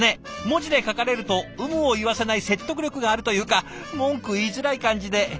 文字で書かれると有無を言わせない説得力があるというか文句言いづらい感じで。